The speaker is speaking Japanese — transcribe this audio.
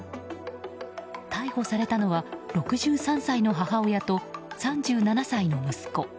逮捕されたのは６３歳の母親と３７歳の息子。